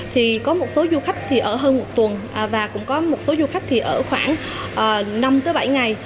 thì có một số du khách thì ở hơn một tuần và cũng có một số du khách thì ở khoảng năm bảy ngày